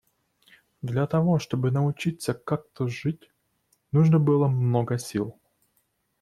Для того чтобы научиться как-то жить, нужно было много сил.